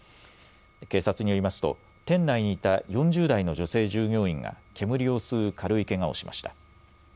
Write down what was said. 警察によりますと店内にいた４０代の女性従業員が煙を吸う軽いけがをしました。